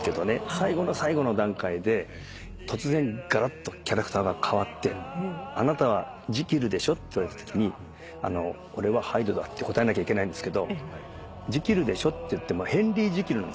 最後の最後の段階で突然がらっとキャラクターが変わって「あなたはジキルでしょ？」って言われたときに「俺はハイドだ」って答えなきゃいけないんですけど「ジキルでしょ」っていってもヘンリー・ジキルなんですよ。